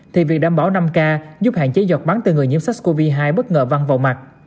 thì việc đảm bảo năm k giúp hạn chế giọt bắn từ người nhiễm sars cov hai bất ngờ văng vào mặt